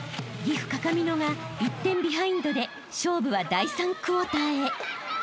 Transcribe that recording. ［岐阜各務野が１点ビハインドで勝負は第３クォーターへ］